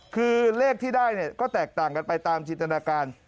คือเลขที่ได้ก็แตกต่างกันไปตามจินตนาการ